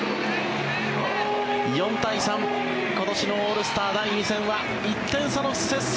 ４対３今年のオールスター第２戦は１点差の接戦。